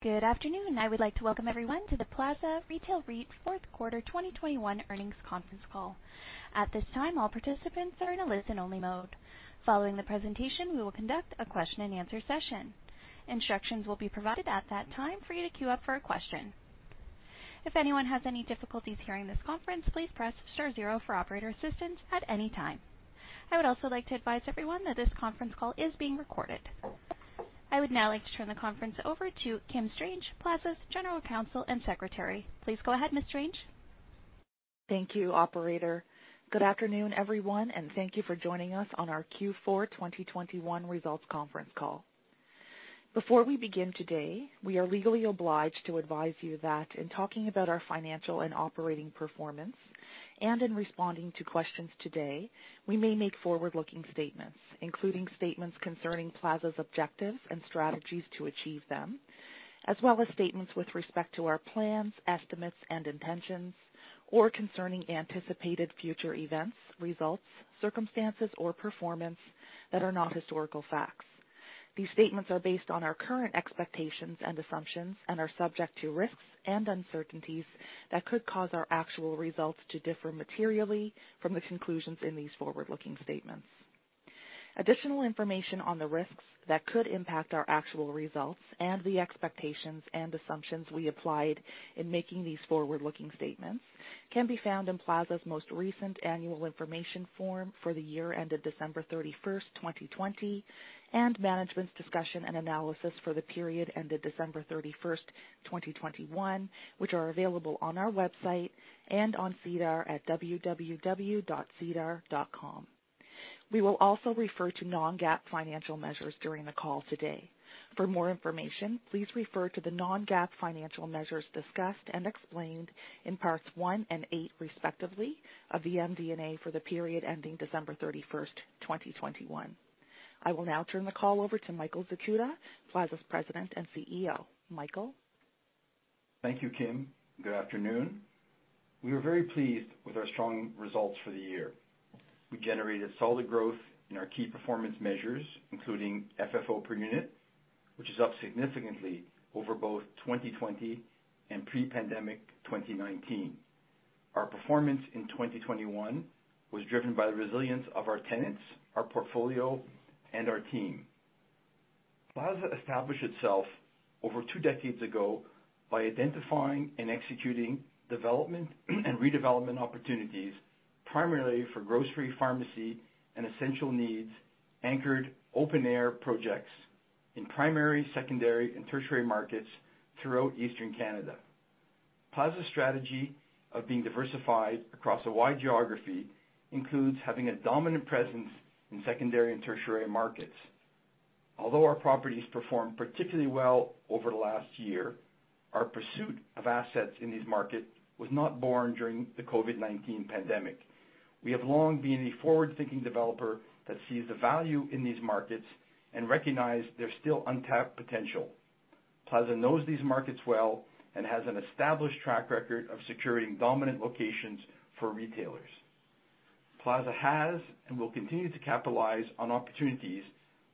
Good afternoon. I would like to welcome everyone to the Plaza Retail REIT Fourth Quarter 2021 Earnings Conference Call. At this time, all participants are in a listen-only mode. Following the presentation, we will conduct a question-and-answer session. Instructions will be provided at that time for you to queue up for a question. If anyone has any difficulties hearing this conference, please press star zero for operator assistance at any time. I would also like to advise everyone that this conference call is being recorded. I would now like to turn the conference over to Kim Strange, Plaza's General Counsel and Secretary. Please go ahead, Ms. Strange. Thank you, operator. Good afternoon, everyone, and thank you for joining us on our Q4 2021 results conference call. Before we begin today, we are legally obliged to advise you that in talking about our financial and operating performance and in responding to questions today, we may make forward-looking statements, including statements concerning Plaza's objectives and strategies to achieve them, as well as statements with respect to our plans, estimates and intentions, or concerning anticipated future events, results, circumstances, or performance that are not historical facts. These statements are based on our current expectations and assumptions and are subject to risks and uncertainties that could cause our actual results to differ materially from the conclusions in these forward-looking statements. Additional information on the risks that could impact our actual results and the expectations and assumptions we applied in making these forward-looking statements can be found in Plaza's most recent annual information form for the year ended December 31st, 2020, and management's discussion and analysis for the period ended December 31st, 2021, which are available on our website and on SEDAR at www.sedar.com. We will also refer to non-GAAP financial measures during the call today. For more information, please refer to the non-GAAP financial measures discussed and explained in Parts 1 and 8, respectively, of the MD&A for the period ending December 31st, 2021. I will now turn the call over to Michael Zakuta, Plaza's President and CEO. Michael. Thank you, Kim. Good afternoon. We were very pleased with our strong results for the year. We generated solid growth in our key performance measures, including FFO per unit, which is up significantly over both 2020 and pre-pandemic 2019. Our performance in 2021 was driven by the resilience of our tenants, our portfolio, and our team. Plaza established itself over two decades ago by identifying and executing development and redevelopment opportunities primarily for grocery, pharmacy, and essential needs, anchored open air projects in primary, secondary and tertiary markets throughout eastern Canada. Plaza's strategy of being diversified across a wide geography includes having a dominant presence in secondary and tertiary markets. Although our properties performed particularly well over the last year, our pursuit of assets in these markets was not born during the COVID-19 pandemic. We have long been a forward-thinking developer that sees the value in these markets and recognize their still untapped potential. Plaza knows these markets well and has an established track record of securing dominant locations for retailers. Plaza has and will continue to capitalize on opportunities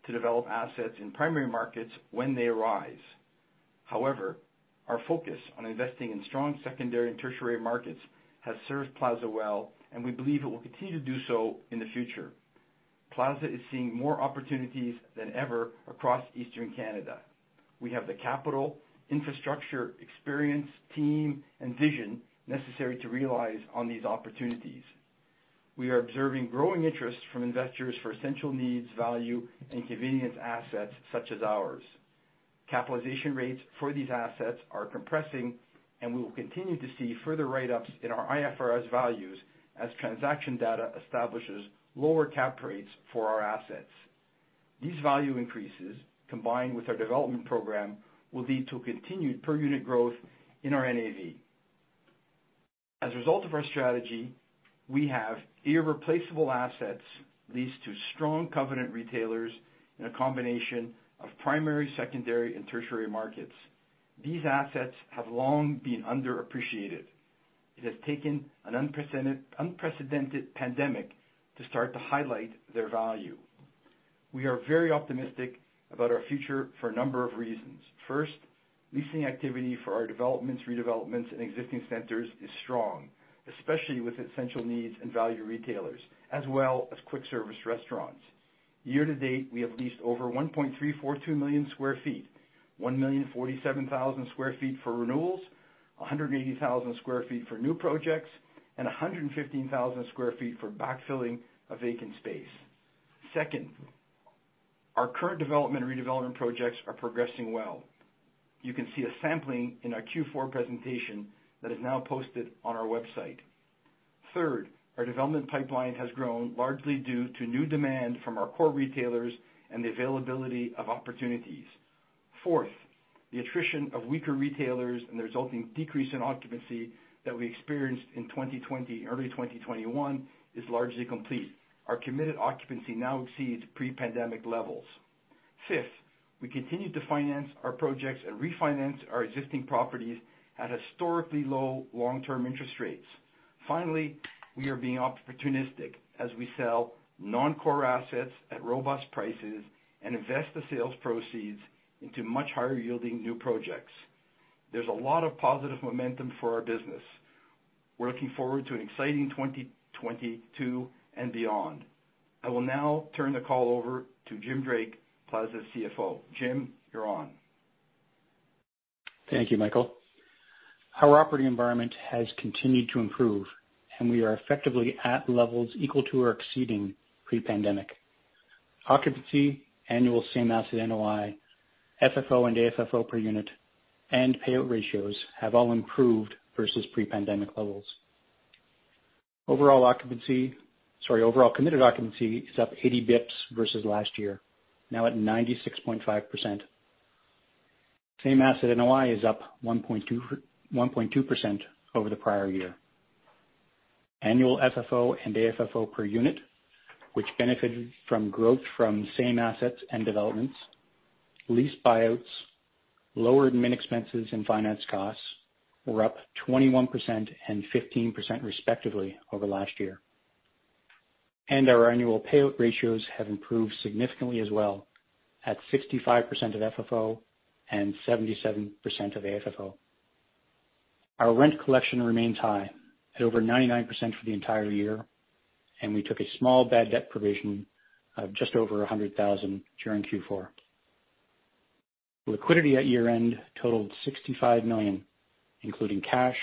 to develop assets in primary markets when they arise. However, our focus on investing in strong secondary and tertiary markets has served Plaza well, and we believe it will continue to do so in the future. Plaza is seeing more opportunities than ever across eastern Canada. We have the capital, infrastructure, experience, team, and vision necessary to realize on these opportunities. We are observing growing interest from investors for essential needs, value, and convenience assets such as ours. Capitalization rates for these assets are compressing, and we will continue to see further write-ups in our IFRS values as transaction data establishes lower cap rates for our assets. These value increases, combined with our development program, will lead to continued per unit growth in our NAV. As a result of our strategy, we have irreplaceable assets leased to strong covenant retailers in a combination of primary, secondary, and tertiary markets. These assets have long been underappreciated. It has taken an unprecedented pandemic to start to highlight their value. We are very optimistic about our future for a number of reasons. First, leasing activity for our developments, redevelopments, and existing centers is strong, especially with essential needs and value retailers as well as quick service restaurants. Year to date, we have leased over 1.342 million sq ft, 1,047,000 sq ft for renewals, 180,000 sq ft for new projects, and 115,000 sq ft for backfilling of vacant space. Second, our current development and redevelopment projects are progressing well. You can see a sampling in our Q4 presentation that is now posted on our website. Third, our development pipeline has grown largely due to new demand from our core retailers and the availability of opportunities. Fourth, the attrition of weaker retailers and the resulting decrease in occupancy that we experienced in 2020 and early 2021 is largely complete. Our committed occupancy now exceeds pre-pandemic levels. Fifth, we continue to finance our projects and refinance our existing properties at historically low long-term interest rates. Finally, we are being opportunistic as we sell non-core assets at robust prices and invest the sales proceeds into much higher yielding new projects. There's a lot of positive momentum for our business. We're looking forward to an exciting 2022 and beyond. I will now turn the call over to Jim Drake, Plaza's CFO. Jim, you're on. Thank you, Michael. Our operating environment has continued to improve, and we are effectively at levels equal to or exceeding pre-pandemic. Occupancy, annual same asset NOI, FFO and AFFO per unit, and payout ratios have all improved versus pre-pandemic levels. Overall committed occupancy is up 80 basis points versus last year, now at 96.5%. Same asset NOI is up 1.2% over the prior year. Annual FFO and AFFO per unit, which benefited from growth from same assets and developments, lease buyouts, lower admin expenses and finance costs were up 21% and 15% respectively over last year. Our annual payout ratios have improved significantly as well at 65% of FFO and 77% of AFFO. Our rent collection remains high at over 99% for the entire year, and we took a small bad debt provision of just over 100,000 during Q4. Liquidity at year-end totaled 65 million, including cash,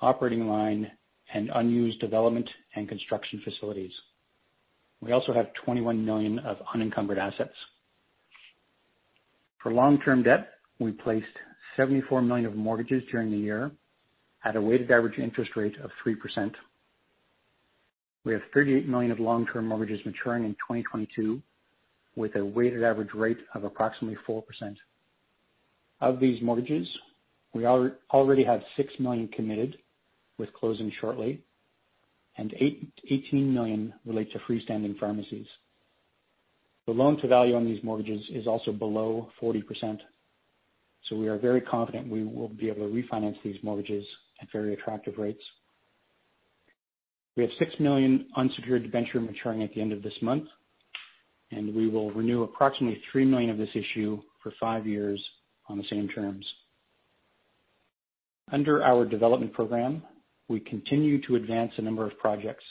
operating line, and unused development and construction facilities. We also have 21 million of unencumbered assets. For long-term debt, we placed 74 million of mortgages during the year at a weighted average interest rate of 3%. We have 38 million of long-term mortgages maturing in 2022, with a weighted average rate of approximately 4%. Of these mortgages, we already have 6 million committed, with closing shortly, and 18 million relate to freestanding pharmacies. The loan to value on these mortgages is also below 40%. So, we are very confident we will be able to refinance these mortgages at very attractive rates. We have 6 million unsecured debenture maturing at the end of this month, and we will renew approximately 3 million of this issue for 5 years on the same terms. Under our development program, we continue to advance a number of projects.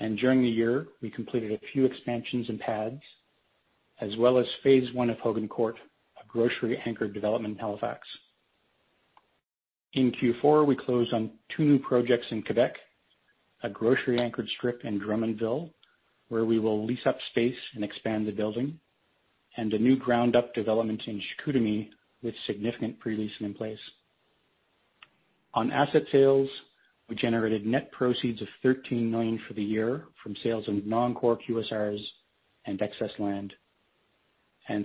During the year, we completed a few expansions and pads as well as Phase One of Hogan Court, a grocery anchored development in Halifax. In Q4, we closed on 2 new projects in Quebec, a grocery anchored strip in Drummondville, where we will lease up space and expand the building, and a new ground up development in Chicoutimi with significant pre-leasing in place. On asset sales, we generated net proceeds of 13 million for the year from sales of non-core QSRs and excess land.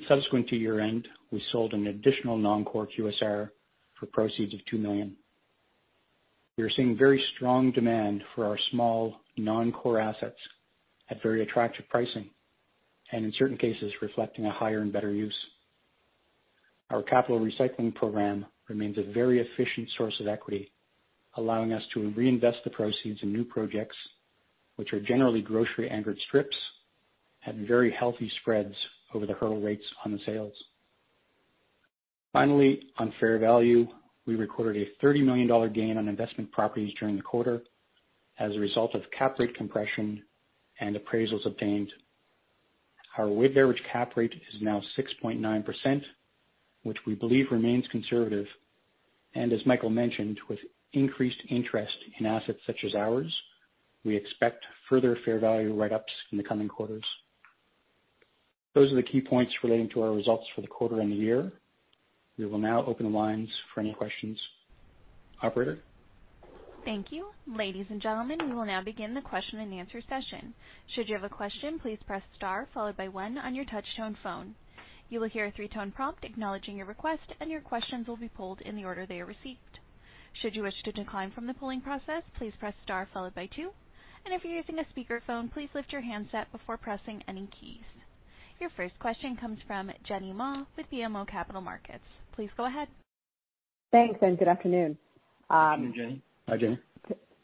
Subsequent to year-end, we sold an additional non-core QSR for proceeds of 2 million. We are seeing very strong demand for our small non-core assets at very attractive pricing and in certain cases reflecting a higher and better use. Our capital recycling program remains a very efficient source of equity, allowing us to reinvest the proceeds in new projects, which are generally grocery anchored strips, at very healthy spreads over the hurdle rates on the sales. Finally, on fair value, we recorded a 30 million dollar gain on investment properties during the quarter as a result of cap rate compression and appraisals obtained. Our weighted average cap rate is now 6.9%, which we believe remains conservative. As Michael mentioned, with increased interest in assets such as ours, we expect further fair value write-ups in the coming quarters. Those are the key points relating to our results for the quarter and the year. We will now open the lines for any questions. Operator? Thank you. Ladies and gentlemen, we will now begin the question and answer session. Should you have a question, please press star followed by one on your touch tone phone. You will hear a three-tone prompt acknowledging your request, and your questions will be pulled in the order they are received. Should you wish to decline from the polling process, please press star followed by two. If you're using a speakerphone, please lift your handset before pressing any keys. Your first question comes from Jenny Ma with BMO Capital Markets. Please go ahead. Thanks, and good afternoon. Good afternoon, Jenny. Hi, Jenny.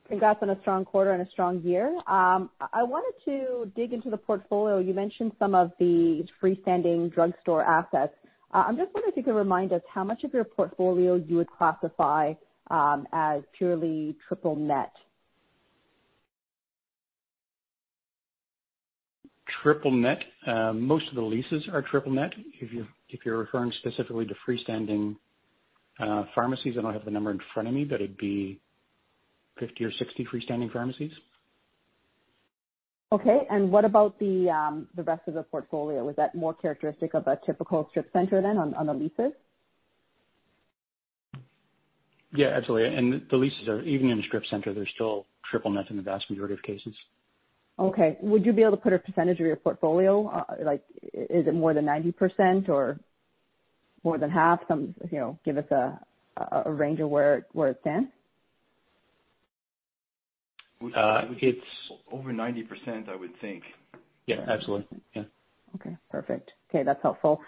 Congrats on a strong quarter and a strong year. I wanted to dig into the portfolio. You mentioned some of the freestanding drugstore assets. I'm just wondering if you could remind us how much of your portfolio you would classify as purely triple net? Triple net. Most of the leases are triple net. If you're referring specifically to freestanding pharmacies, I don't have the number in front of me, but it'd be 50 or 60 freestanding pharmacies. Okay. What about the rest of the portfolio? Is that more characteristic of a typical strip center than on the leases? Yeah, absolutely. The leases are even in strip center, they're still triple net in the vast majority of cases. Okay. Would you be able to put a percentage of your portfolio? Like, is it more than 90% or more than half? You know, give us a range of where it stands. Uh, it's- Over 90%, I would think. Yeah, absolutely. Yeah. Okay. Perfect. Okay, that's helpful.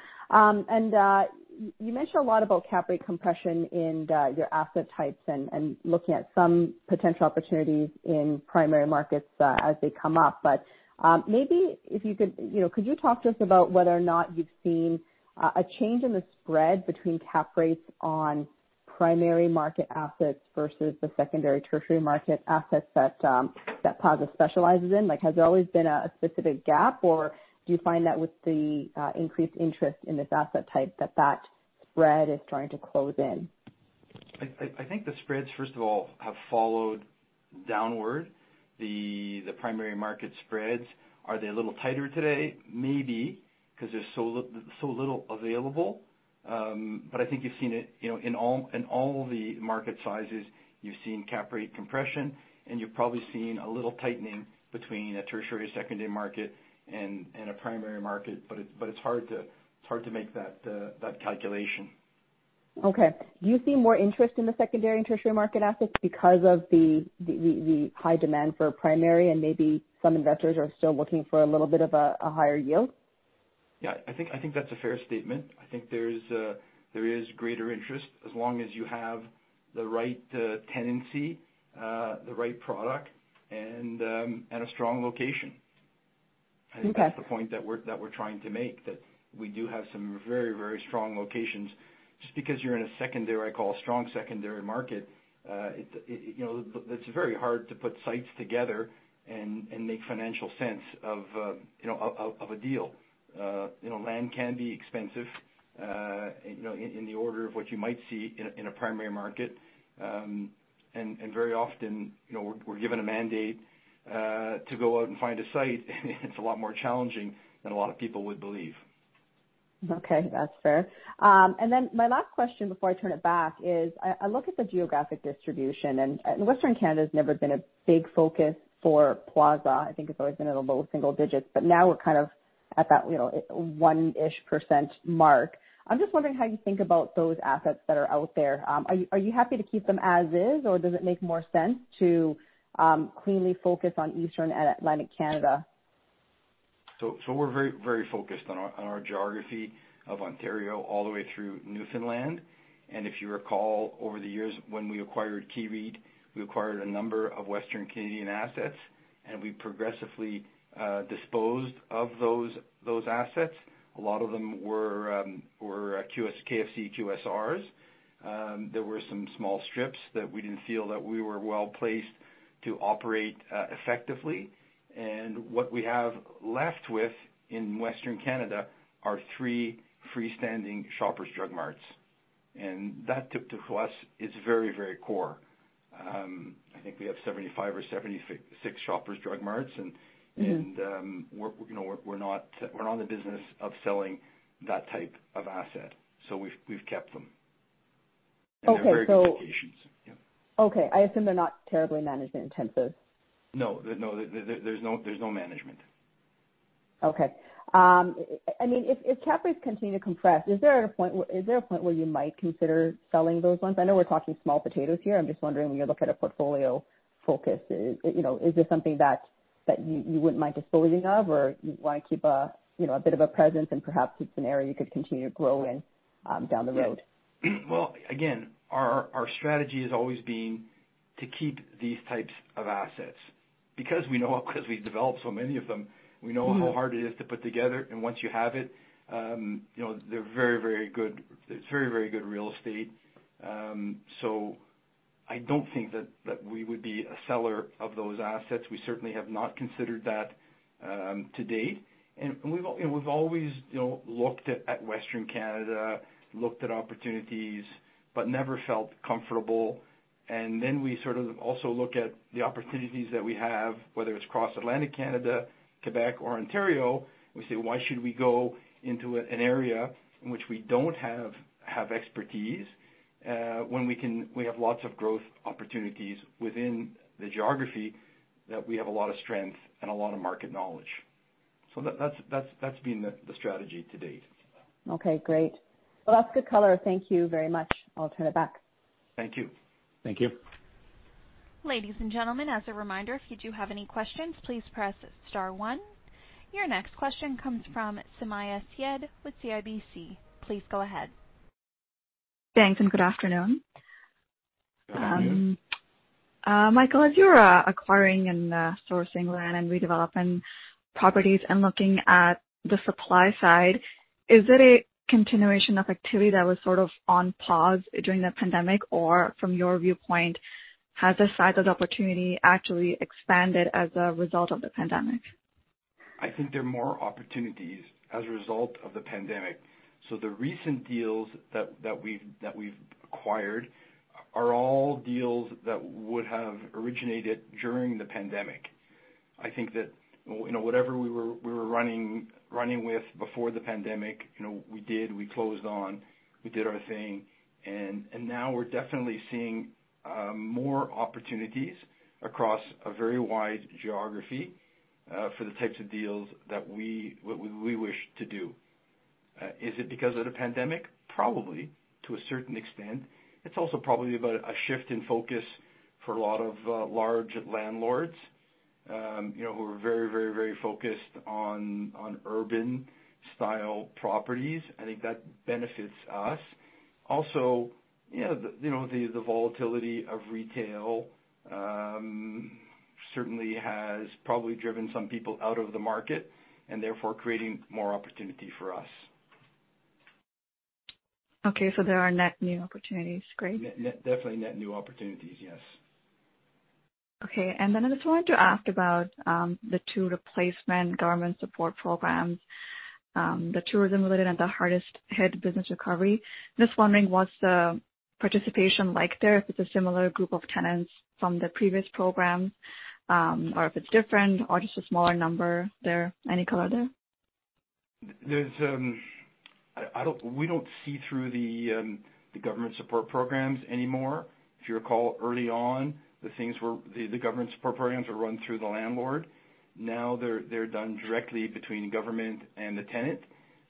You mentioned a lot about cap rate compression in your asset types and looking at some potential opportunities in primary markets as they come up. Maybe if you could. You know, could you talk to us about whether or not you've seen a change in the spread between cap rates on primary market assets versus the secondary, tertiary market assets that Plaza specializes in? Like, has there always been a specific gap, or do you find that with the increased interest in this asset type that spread is starting to close in? I think the spreads, first of all, have followed downward. The primary market spreads, are they a little tighter today? Maybe, because there's so little available. But I think you've seen it, you know, in all the market sizes, you've seen cap rate compression, and you've probably seen a little tightening between a tertiary, secondary market and a primary market. But it's hard to make that calculation. Okay. Do you see more interest in the secondary and tertiary market assets because of the high demand for primary and maybe some investors are still looking for a little bit of a higher yield? Yeah. I think that's a fair statement. I think there is greater interest as long as you have the right tenancy, the right product and a strong location. Okay. I think that's the point that we're trying to make, that we do have some very, very strong locations. Just because you're in a secondary, I call a strong secondary market, you know, it's very hard to put sites together and make financial sense of, you know, of a deal. You know, land can be expensive, you know, in the order of what you might see in a primary market. Very often, you know, we're given a mandate to go out and find a site, and it's a lot more challenging than a lot of people would believe. Okay. That's fair. My last question before I turn it back is I look at the geographic distribution, and Western Canada's never been a big focus for Plaza. I think it's always been in the low single digits, but now we're kind of at that, you know, 1%-ish mark. I'm just wondering how you think about those assets that are out there. Are you happy to keep them as is, or does it make more sense to cleanly focus on Eastern and Atlantic Canada? We're very focused on our geography of Ontario all the way through Newfoundland. If you recall over the years when we acquired Key REIT, we acquired a number of Western Canadian assets, and we progressively disposed of those assets. A lot of them were QSRs, KFC QSRs. There were some small strips that we didn't feel that we were well placed to operate effectively. What we have left with in Western Canada are three freestanding Shoppers Drug Marts. That to us is very core. I think we have 75 or 76 Shoppers Drug Marts. Mm-hmm. You know, we're not in the business of selling that type of asset, so we've kept them. Okay. They're very good locations. Yeah. Okay. I assume they're not terribly management intensive. No, there's no management. Okay. I mean, if cap rates continue to compress, is there a point where you might consider selling those ones? I know we're talking small potatoes here. I'm just wondering when you look at a portfolio focus, you know, is this something that you wouldn't mind disposing of or you want to keep a, you know, a bit of a presence and perhaps it's an area you could continue to grow in, down the road? Yeah. Well, again, our strategy has always been to keep these types of assets. Because we know how, because we've developed so many of them, we know- Mm-hmm ...how hard it is to put together. Once you have it, you know, they're very, very good. It's very, very good real estate. I don't think that we would be a seller of those assets. We certainly have not considered that to date. We've always, you know, looked at Western Canada, looked at opportunities, but never felt comfortable. We sort of also look at the opportunities that we have, whether it's across Atlantic Canada, Quebec, or Ontario. We say, "Why should we go into an area in which we don't have expertise when we have lots of growth opportunities within the geography that we have a lot of strength and a lot of market knowledge?" That's been the strategy to date. Okay, great. Well, that's good color. Thank you very much. I'll turn it back. Thank you. Thank you. Ladies and gentlemen, as a reminder, if you do have any questions, please press star one. Your next question comes from Sumayya Syed with CIBC. Please go ahead. Thanks, and good afternoon. Good afternoon. Michael, as you're acquiring and sourcing land and redeveloping properties and looking at the supply side, is it a continuation of activity that was sort of on pause during the pandemic? Or from your viewpoint, has the size of the opportunity actually expanded as a result of the pandemic? I think there are more opportunities as a result of the pandemic. The recent deals that we've acquired are all deals that would have originated during the pandemic. I think that, you know, whatever we were running with before the pandemic, you know, we did our thing. Now we're definitely seeing more opportunities across a very wide geography for the types of deals that we wish to do. Is it because of the pandemic? Probably to a certain extent. It's also probably about a shift in focus for a lot of large landlords, you know, who are very focused on urban style properties. I think that benefits us. Also, you know, the volatility of retail certainly has probably driven some people out of the market and therefore creating more opportunity for us. Okay. There are net new opportunities. Great. Net-net. Definitely net new opportunities, yes. Okay. I just wanted to ask about the two replacement government support programs, the tourism-related and the hardest hit business recovery. Just wondering what's the participation like there, if it's a similar group of tenants from the previous program, or if it's different or just a smaller number there. Any color there? We don't see through the government support programs anymore. If you recall, early on, the government support programs were run through the landlord. Now they're done directly between government and the tenant.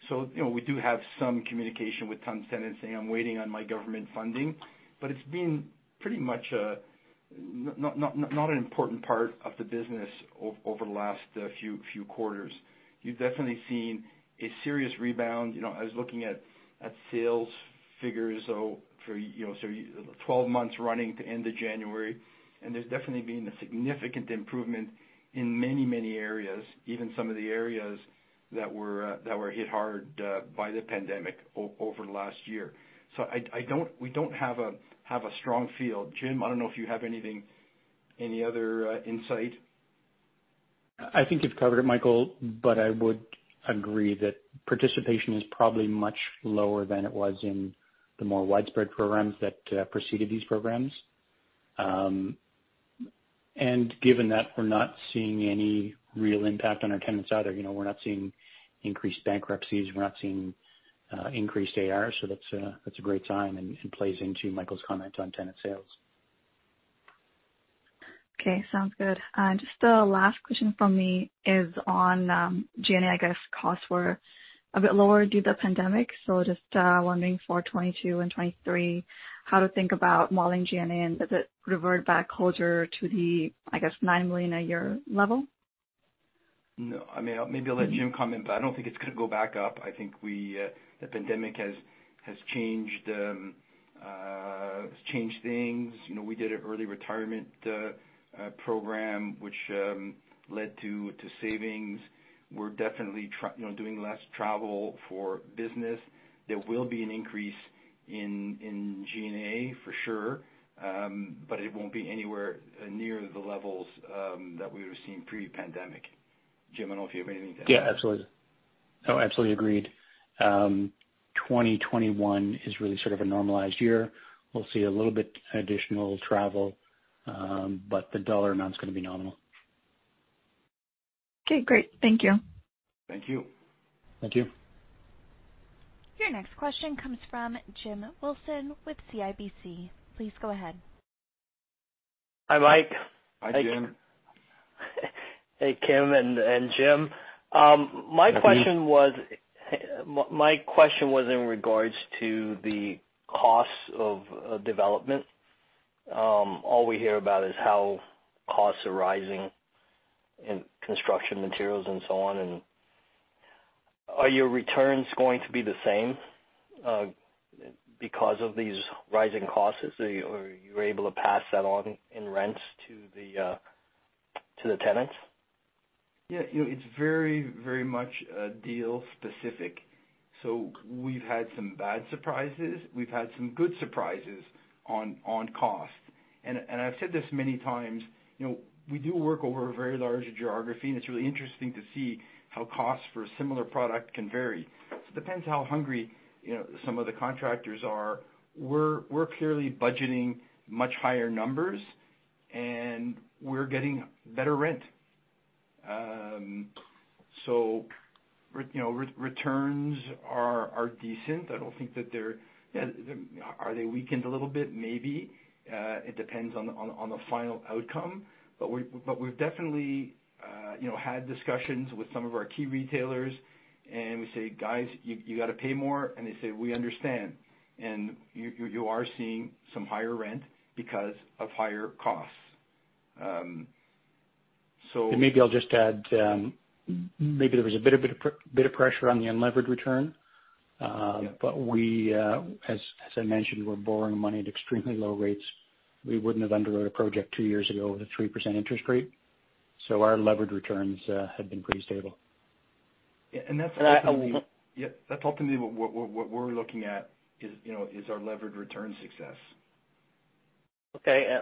You know, we do have some communication with some tenants saying, "I'm waiting on my government funding," but it's been pretty much not an important part of the business over the last few quarters. You've definitely seen a serious rebound. You know, I was looking at sales figures, so for 12 months running to end of January, and there's definitely been a significant improvement in many areas, even some of the areas that were hit hard by the pandemic over the last year. We don't have a strong feel. Jim, I don't know if you have anything, any other insight. I think you've covered it, Michael, but I would agree that participation is probably much lower than it was in the more widespread programs that preceded these programs. Given that we're not seeing any real impact on our tenants either, you know, we're not seeing increased bankruptcies, we're not seeing increased AR, so that's a great sign and plays into Michael's comment on tenant sales. Okay. Sounds good. Just the last question from me is on G&A. I guess costs were a bit lower due to the pandemic. Just wondering for 2022 and 2023, how to think about modeling G&A and does it revert back closer to the, I guess, 9 million a year level? No. I mean, maybe I'll let Jim comment, but I don't think it's going to go back up. I think we, the pandemic has changed things. You know, we did an early retirement program, which led to savings. We're definitely doing less travel for business. There will be an increase in G&A for sure. But it won't be anywhere near the levels that we would've seen pre-pandemic. Jim, I don't know if you have anything to add. Yeah, absolutely. No, absolutely agreed. 2021 is really sort of a normalized year. We'll see a little bit additional travel, but the dollar amount's going to be nominal. Okay, great. Thank you. Thank you. Thank you. Your next question comes from Jim Wilson with CIBC. Please go ahead. Hi, Mike. Hi, Jim. Hey, Kim and Jim. Hi, Jim. My question was in regards to the costs of development. All we hear about is how costs are rising in construction materials and so on. Are your returns going to be the same because of these rising costs? Or are you able to pass that on in rents to the tenants? Yeah. You know, it's very, very much deal specific. We've had some bad surprises. We've had some good surprises on cost. I've said this many times, you know, we do work over a very large geography, and it's really interesting to see how costs for a similar product can vary. It depends how hungry, you know, some of the contractors are. We're clearly budgeting much higher numbers, and we're getting better rent. Returns are decent. I don't think that they're weakened a little bit. Maybe. It depends on the final outcome. We've definitely, you know, had discussions with some of our key retailers and we say, "Guys, you got to pay more." They say, "We understand." You are seeing some higher rent because of higher costs. Maybe I'll just add, maybe there was a bit of pressure on the unlevered return. But we, as I mentioned, we're borrowing money at extremely low rates. We wouldn't have underwrote a project two years ago with a 3% interest rate. Our levered returns have been pretty stable. Yeah, that's ultimately. And I- Yeah, that's ultimately what we're looking at is, you know, is our levered return success. Okay.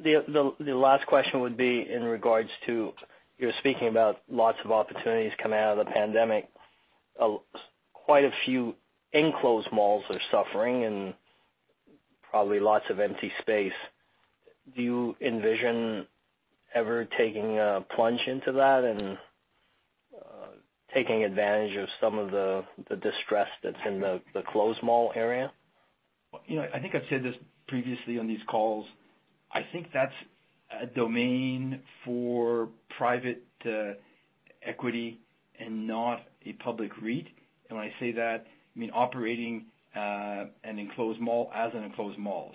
The last question would be in regards to, you were speaking about lots of opportunities coming out of the pandemic. Quite a few enclosed malls are suffering and probably lots of empty space. Do you envision ever taking a plunge into that and, taking advantage of some of the distress that's in the closed mall area? Well, you know, I think I've said this previously on these calls. I think that's a domain for private equity and not a public REIT. When I say that, I mean operating an enclosed mall as an enclosed mall.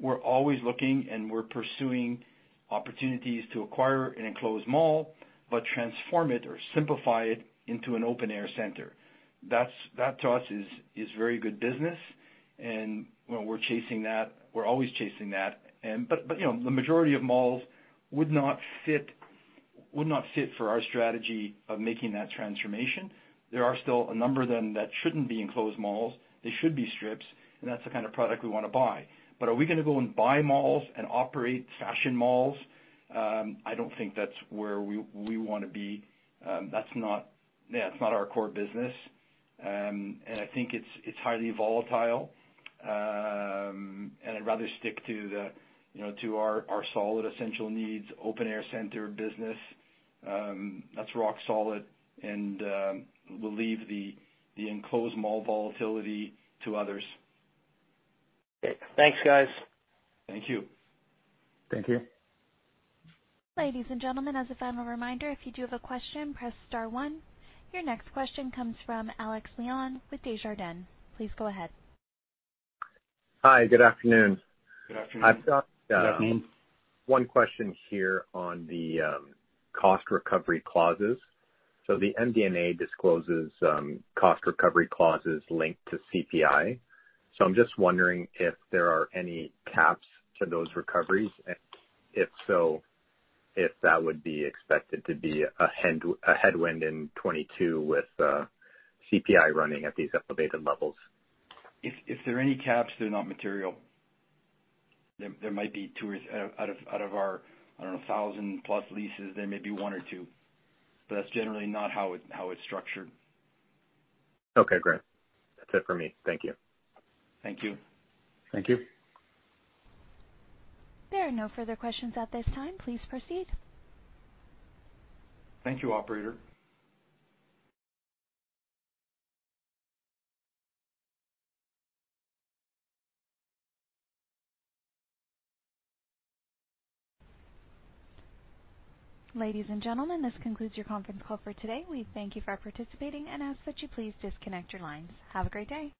We're always looking, and we're pursuing opportunities to acquire an enclosed mall, but transform it or simplify it into an open-air center. That's that to us is very good business. When we're chasing that, we're always chasing that. But you know, the majority of malls would not fit for our strategy of making that transformation. There are still a number of them that shouldn't be enclosed malls. They should be strips, and that's the kind of product we want to buy. But are we going to go and buy malls and operate fashion malls? I don't think that's where we want to be. That's not our core business. I think it's highly volatile. I'd rather stick to, you know, our solid essential needs, open-air center business, that's rock solid. We'll leave the enclosed mall volatility to others. Okay. Thanks, guys. Thank you. Thank you. Ladies and gentlemen, as a final reminder, if you do have a question, press star one. Your next question comes from Alexander Leon with Desjardins. Please go ahead. Hi. Good afternoon. Good afternoon. Good afternoon. I've got one question here on the cost recovery clauses. The MD&A discloses cost recovery clauses linked to CPI. I'm just wondering if there are any caps to those recoveries. If so, if that would be expected to be a headwind in 2022 with CPI running at these elevated levels. If there are any caps, they're not material. There might be one or two out of our, I don't know, 1,000-plus leases. That's generally not how it's structured. Okay, great. That's it for me. Thank you. Thank you. Thank you. There are no further questions at this time. Please proceed. Thank you, operator. Ladies and gentlemen, this concludes your conference call for today. We thank you for participating and ask that you please disconnect your lines. Have a great day.